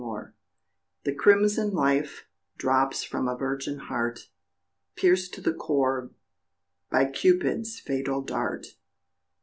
RUBIES The crimson life drops from a virgin heart Pierced to the core by Cupid's fatal dart.